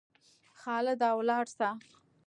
خالده ولاړ سه!